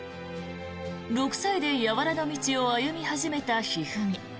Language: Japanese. ６歳でやわらの道を歩み始めた一二三。